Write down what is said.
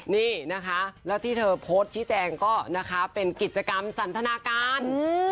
นี่นะคะแล้วที่เธอโพสต์ชี้แจงก็นะคะเป็นกิจกรรมสันทนาการ